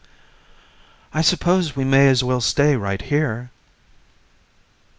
"I suppose we may as well stay right here."